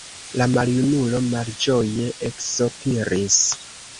La maljunulo malĝoje eksopiris.